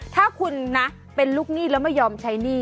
ถ้าคุณนะเป็นลูกหนี้แล้วไม่ยอมใช้หนี้